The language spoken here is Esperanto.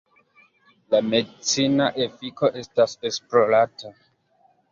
La medicina efiko estas esplorata.